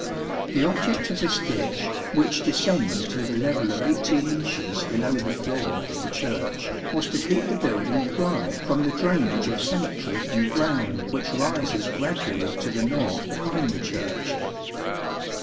The object of this ditch, which descends to the level of 18 inches below the floor of the Church, was to keep the building dry from the drainage of cemetery and ground which rises gradually to the north behind the Church.